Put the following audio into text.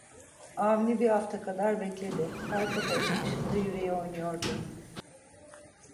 Avni bir hafta kadar bekledi, her kapı açılışında yüreği oynuyordu.